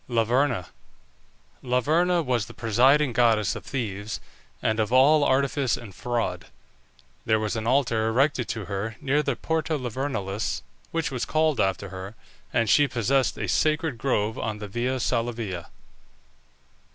LAVERNA. Laverna was the presiding goddess of thieves, and of all artifice and fraud. There was an altar erected to her near the Porta Lavernalis, which was called after her, and she possessed a sacred grove on the Via Salavia.